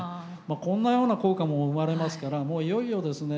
こんなような効果も生まれますからもういよいよですね